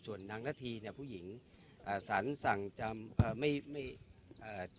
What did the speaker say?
ส่วนนางนาธีเนี่ยผู้หญิงอ่าสารสั่งจำอ่าไม่ไม่เอ่อ